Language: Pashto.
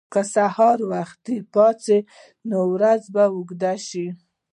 که سهار وختي پاڅو، نو ورځ به اوږده شي.